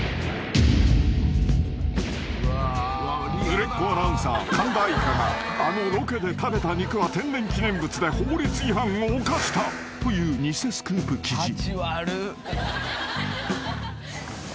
［売れっ子アナウンサー神田愛花があのロケで食べた肉は天然記念物で法律違反を犯したという偽スクープ記事］